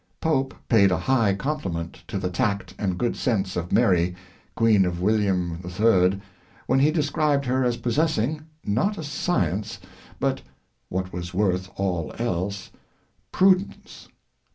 Pope paid a high compliment to the tact and good sense of Mary, Queen of William III., when he described her as possessing, not a .science, but (what w^s worth all else) prudence.